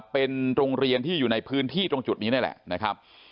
เป็นโรงเรียนที่อยู่ในพื้นที่ตรงจุดนี้นี่แหละนะครับ